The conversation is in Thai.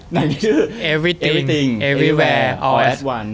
หนังที่ชื่อเอเวอร์ทิ้งเอเวอร์เวอร์เอลแอสวัน